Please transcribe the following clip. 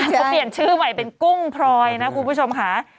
เขาเปลี่ยนชื่อใหม่เป็นกุ้งพลอยนะคุณผู้ชมค่ะ